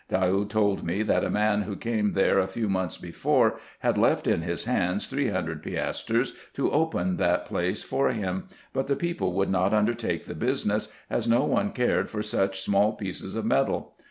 Daoud told me, that a man who came there a few months before had left in his hands three hundred piastres, to open that place for him ; but the people would not undertake the business, as no one cared for such small pieces of metal.